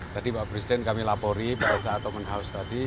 tadi pak presiden kami lapori pada saat open house tadi